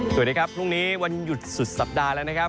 สวัสดีครับพรุ่งนี้วันหยุดสุดสัปดาห์แล้วนะครับ